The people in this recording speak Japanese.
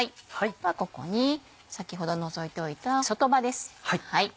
ではここに先ほど除いておいた外葉です。